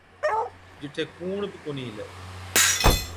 جِٺي ڪُوڻ بِي ڪونهِي هِلَي۔